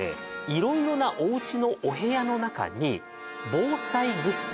色々なおうちのお部屋の中に防災グッズ